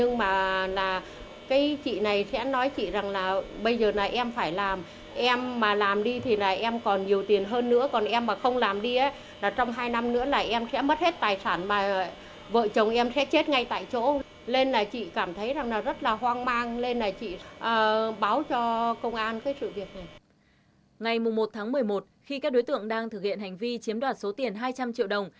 ngày một tháng một mươi một khi các đối tượng đang thực hiện hành vi chiếm đoạt số tiền hai trăm linh triệu đồng